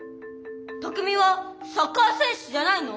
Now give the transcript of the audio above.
拓海はサッカー選手じゃないの？